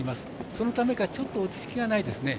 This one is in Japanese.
そのためか、ちょっと落ち着きがないですね。